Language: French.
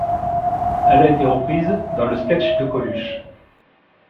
Elle a été reprise dans le sketch de Coluche.